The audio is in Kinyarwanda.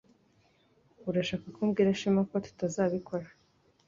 Urashaka ko mbwira Shema ko tutazabikora